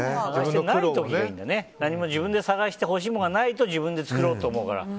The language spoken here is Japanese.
自分で探してほしいものがないと自分で作ろうと思うから。